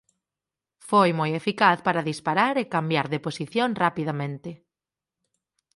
Foi moi eficaz para disparar e cambiar de posición rapidamente.